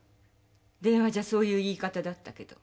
電話じゃそういう言い方だったけど。